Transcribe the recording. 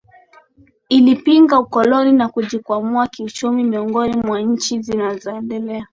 Ilipinga Ukoloni na kujikwamua kiuchumi miongoni mwa nchi zinazoendelea